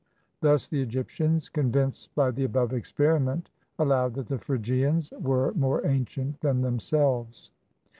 Thus the Eg3^tians, convinced by the above experiment, allowed that the Phrygians were more ancient than themselves.